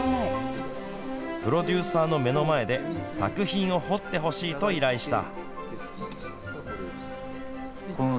プロデューサーの目の前で作品を彫ってほしいと依頼した。